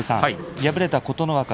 敗れた琴ノ若